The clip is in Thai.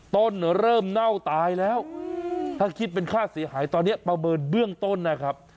เริ่มเน่าตายแล้วถ้าคิดเป็นค่าเสียหายตอนนี้ประเมินเบื้องต้นนะครับ